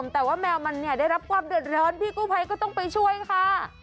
แต่ว่าแมวมันเนี่ยได้รับความเดือดร้อนพี่กู้ภัยก็ต้องไปช่วยค่ะ